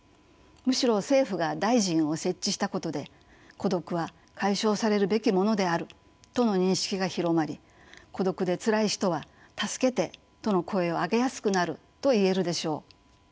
むしろ政府が大臣を設置したことで孤独は解消されるべきものであるとの認識が広まり孤独でつらい人は「助けて」との声を上げやすくなると言えるでしょう。